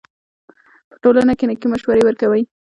په ټولنه کښي نېکي مشورې ورکوئ!